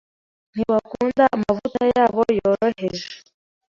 Ntibakunda amavuta yabo yoroheje.